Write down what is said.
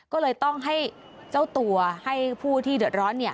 ก็เลยต้องให้เจ้าตัวให้ผู้ที่เดือดร้อน